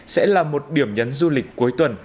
sẽ là một điểm nhấn du lịch cuối tuần